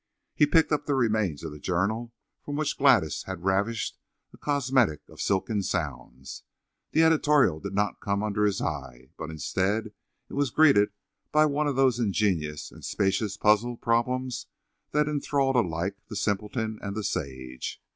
He picked up the remains of the journal from which Gladys had ravished a cosmetic of silken sounds. The editorial did not come under his eye, but instead it was greeted by one of those ingenious and specious puzzle problems that enthrall alike the simpleton and the sage.